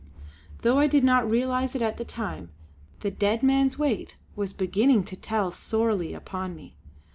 Though I did not realise it at the time, the dead man's weight was beginning to tell sorely upon me.